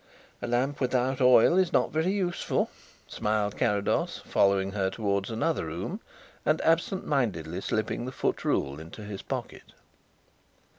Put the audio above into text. "A lamp without oil is not very useful," smiled Carrados, following her towards another room, and absent mindedly slipping the foot rule into his pocket.